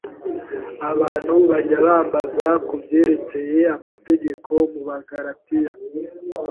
Abantu bajya bambaza ku byerekeye amategeko mu Bagalatiya.